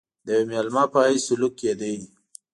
د یوه مېلمه په حیث سلوک کېدی.